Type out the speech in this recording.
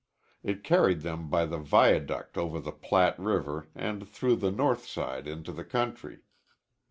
It carried them by the viaduct over the Platte River and through the North Side into the country.